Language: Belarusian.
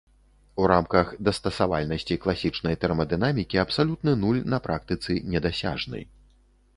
У рамках дастасавальнасці класічнай тэрмадынамікі абсалютны нуль на практыцы недасяжны.